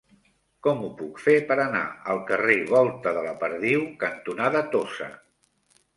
Com ho puc fer per anar al carrer Volta de la Perdiu cantonada Tossa?